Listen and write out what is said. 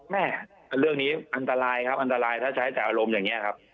แม่เรื่องนี้อันตรายครับอันตรายถ้าใช้แต่อารมณ์อย่างนี้ครับ